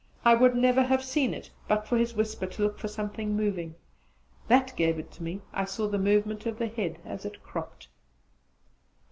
I would never had seen it but for his whisper to look for something moving: that gave it to me; I saw the movement of the head as it cropped.